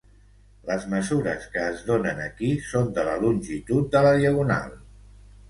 Les mesures que es donen aquí són de la longitud de la diagonal.